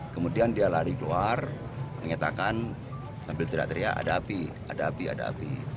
kemudian dia lari keluar menyatakan sambil teriak teriak ada api ada api ada api